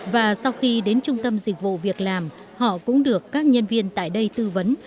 và sau khi đến trung tâm dịch vụ việc làm họ cũng được các nhân viên tại đây tư vấn